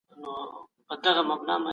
اقتصاد جوړول وخت ته اړتیا لري.